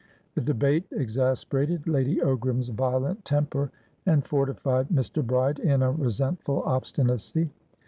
The debate exasperated Lady Ogram's violent temper, and fortified Mr. Bride in a resentful obstinacy.